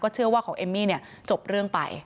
เชื่อว่าของเอมมี่จบเรื่องไป